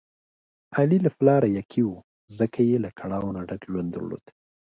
علي له پلاره یکه و، ځکه یې له کړاو نه ډک ژوند درلود.